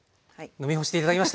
飲みほして頂きました。